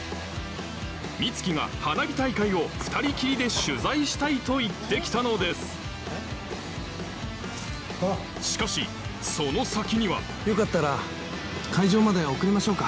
美月が花火大会を２人きりで取材したいと言ってきたのですしかしその先にはよかったら会場まで送りましょうか？